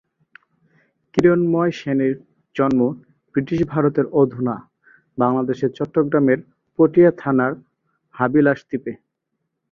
কিরণময় সেনের জন্ম বৃটিশ ভারতের অধুনা বাংলাদেশের চট্টগ্রামের পটিয়া থানার হাবিলাসদ্বীপে।